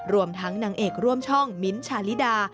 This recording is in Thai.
รวมทั้งนางเอกร่วมช่องมิ้นท์ชาลิดา